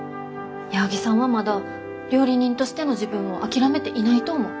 矢作さんはまだ料理人としての自分を諦めていないと思う。